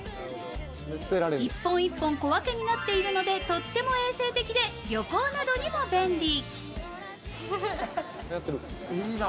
１本１本小分けになっているのでとっても衛生的で旅行などにも便利。